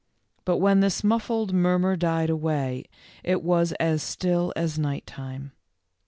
But when this muffled murmur died away, it was as still as night time.